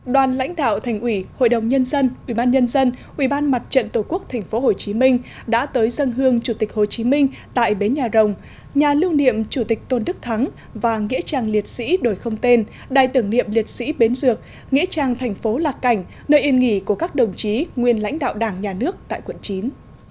đoàn lãnh đạo thành ủy hội đồng nhân dân ubnd ubnd mặt trận tổ quốc tp hcm đã tới dâng hương chủ tịch hồ chí minh tại bến nhà rồng nhà lưu niệm chủ tịch tôn đức thắng và nghĩa trang liệt sĩ đổi không tên đài tưởng niệm liệt sĩ bến dược nghĩa trang thành phố lạc cảnh nơi yên nghỉ của các đồng chí nguyên lãnh đạo đảng nhà nước tại quận chín